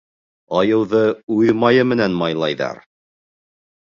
Айыуҙы үҙ майы менән майлайҙар.